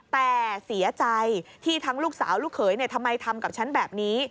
แต่เสียใจที่ทั้งลูกสาวลูกเขยทำไมทำกับฉันแบบนี้